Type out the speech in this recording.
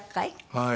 はい。